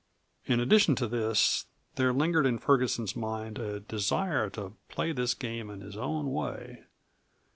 In addition to this, there lingered in Ferguson's mind a desire to play this game in his own way.